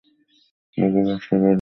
বুকে ভরসা বেঁধে কাজে লেগে যাও।